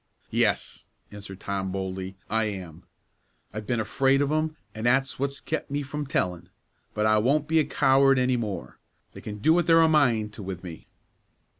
"Yes," answered Tom, boldly, "I am. I've been afraid of 'em, an' that's what's kept me from tellin'; but I won't be a coward any more; they can do what they're a mind to with me."